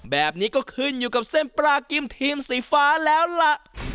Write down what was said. แบบนี้ก็ขึ้นอยู่กับเส้นปลากิมทีมสีฟ้าแล้วล่ะ